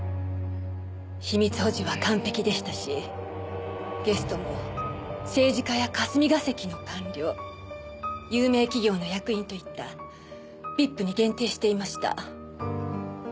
秘密保持は完璧でしたしゲストも政治家や霞が関の官僚有名企業の役員といったＶＩＰに限定していました。